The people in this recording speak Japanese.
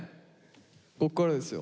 こっからですよ。